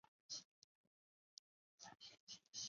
厚丰郑氏大厝的历史年代为清。